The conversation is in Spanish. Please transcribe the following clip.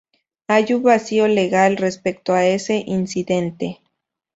Hay un vacío legal respecto a ese incidente.